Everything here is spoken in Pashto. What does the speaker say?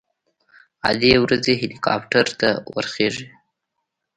ادې ورځي هليكاپټر ته ورخېژي.